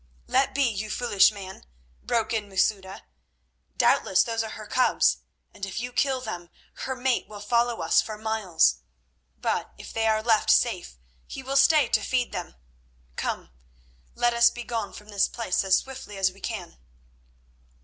"Let be, you foolish man," broke in Masouda. "Doubtless those are her cubs, and if you kill them, her mate will follow us for miles; but if they are left safe he will stay to feed them. Come, let us begone from this place as swiftly as we can."